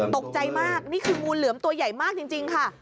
ตกใจมากนี่คืองูเหลือมตัวใหญ่มากจริงค่ะ